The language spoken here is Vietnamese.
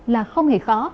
là không hề khó